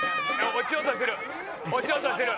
落ちようとしてる。